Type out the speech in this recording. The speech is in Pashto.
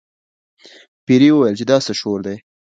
پیري وویل چې دا څه شور دی.